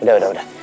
udah udah udah